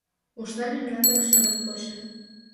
Ушна мемнан дек чоным почын